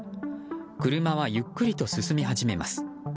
車はゆっくりと進み始めます。